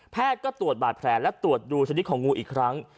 ก็ตรวจบาดแผลและตรวจดูชนิดของงูอีกครั้ง